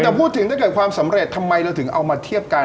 แต่พูดถึงถ้าเกิดความสำเร็จทำไมเราถึงเอามาเทียบกัน